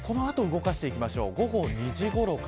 この後、動かしていきましょう。